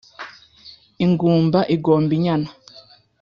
Ingumba igomba inyana